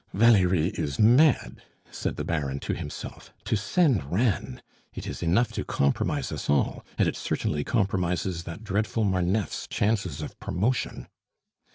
"Valerie is mad!" said the Baron to himself. "To send Reine! It is enough to compromise us all, and it certainly compromises that dreadful Marneffe's chances of promotion!"